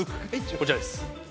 こちらです。